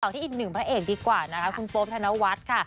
ที่อีกหนึ่งพระเอกดีกว่านะคะคุณโป๊บธนวัฒน์ค่ะ